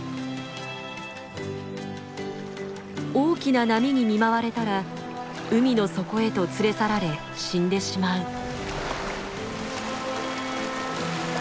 大きな波に見舞われたら海の底へと連れ去られ死んでしまう。